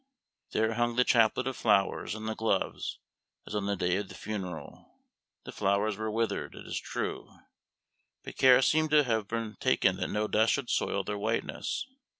There hung the chaplet of flowers and the gloves, as on the day of the funeral: the flowers were withered, it is true, but care seemed to have been taken that no dust should soil their whiteness.